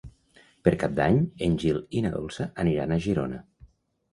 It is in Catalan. Per Cap d'Any en Gil i na Dolça aniran a Girona.